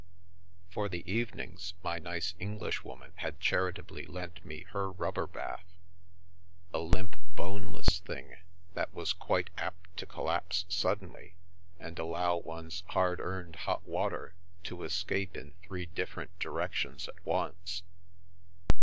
For the evenings, my nice Englishwoman had charitably lent me her rubber bath — a limp, boneless thing, that was quite apt to collapse suddenly, and allow one's hard earned hot water to escape in three different directions at once.